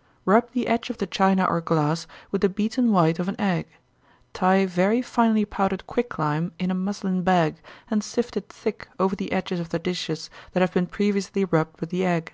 _ Rub the edge of the china or glass with the beaten white of an egg. Tie very finely powdered quick lime in a muslin bag, and sift it thick over the edges of the dishes that have been previously rubbed with the egg.